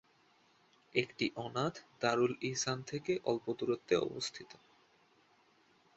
একটি অনাথ দারুল ইহসান থেকে অল্প দূরত্বে অবস্থিত।